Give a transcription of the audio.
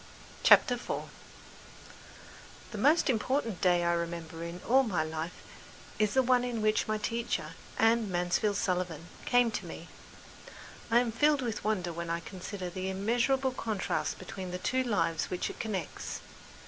CHAPTER IV The most important day I remember in all my life is the one on which my teacher, Anne Mansfield Sullivan, came to me. I am filled with wonder when I consider the immeasurable contrasts between the two lives which it connects.